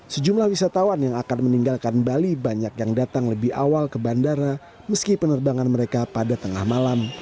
sejumlah wisatawan yang akan meninggalkan bali banyak yang datang lebih awal ke bandara meski penerbangan mereka pada tengah malam